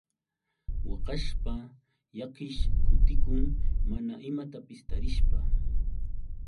Waqashpa llakiish kutikun mana imatapis tarishpa.